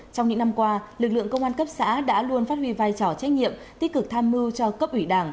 trong những năm qua lực lượng công an cấp xã đã luôn phát huy vai trò trách nhiệm tích cực tham mưu cho cấp ủy đảng